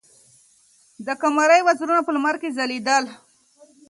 د قمرۍ وزرونه په لمر کې ځلېدل.